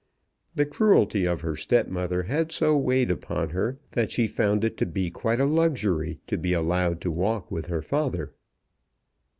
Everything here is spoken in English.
The cruelty of her stepmother had so weighed upon her that she found it to be quite a luxury to be allowed to walk with her father.